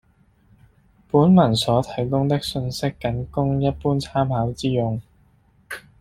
本文所提供的信息僅供一般參考之用